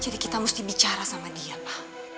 jadi kita mesti bicara sama dia pa